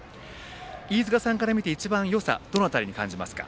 飯塚さんから見て一番、よさどの辺りに感じますか？